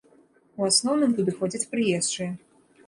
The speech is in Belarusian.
У асноўным туды ходзяць прыезджыя.